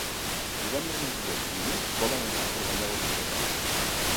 Divendres en Guillem i n'Hug volen anar a Cornellà de Llobregat.